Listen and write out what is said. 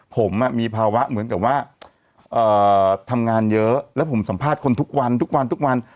ผมมีภาวะเหมือนกับว่าทำงานเยอะแล้วผมสัมภาษณ์คนทุกวันทุกวันทุกวัน